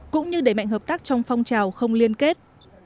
cũng như đẩy mạnh hợp tác trong phong trào không liên kết